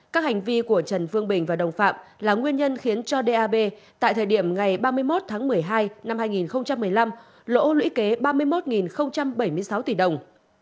các hành vi của trần phương bình và đồng phạm là nguyên nhân khiến cho dap tại thời điểm ngày ba mươi một tháng một mươi hai năm hai nghìn một mươi năm lỗ lũy kế ba mươi một bảy mươi sáu tỷ đồng